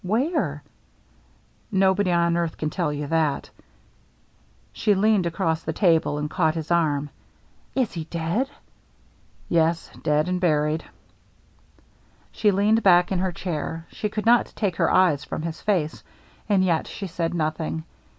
"Where?" " Nobody on earth can tell you that." She leaned across the table and caught his arm. " Is he dead ?"" Yes, dead — and buried." She leaned back in her chair. She could not take her eyes from his face, and yet she said nothing.